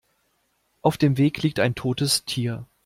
Auf dem Weg liegt ein totes Tier.